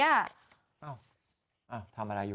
อ้าวทำอะไรอยู่